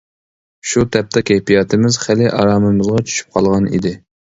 شۇ تاپتا كەيپىياتىمىز خېلى ئارامىمىزغا چۈشۈپ قالغان ئىدى.